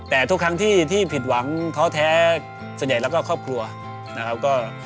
แต่ทุกครั้งที่ผิดหวังท้อแท้ส่วนใหญ่แล้วก็ครอบครัวนะครับ